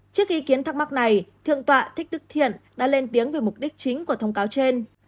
trước ý kiến thắc mắc này thượng tọa thích đức thiện đã lên tiếng vì mục đích chính của thông cáo trên